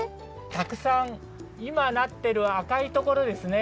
たくさんいまなってるあかいところですね。